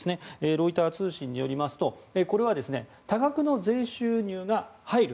ロイター通信によりますとこれは多額の税収入が入る